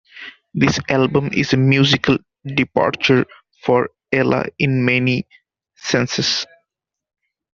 This album is a musical departure for Ella in many senses.